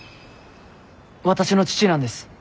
私の父なんです。